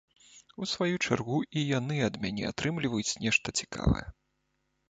У сваю чаргу і яны ад мяне атрымліваюць нешта цікавае.